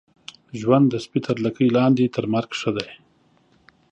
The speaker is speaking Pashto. ژوند د سپي تر لکۍ لاندي ، تر مرګ ښه دی.